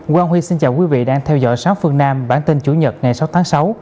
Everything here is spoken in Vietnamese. quang huy xin chào quý vị đang theo dõi sáu phương nam bản tin chủ nhật ngày sáu tháng sáu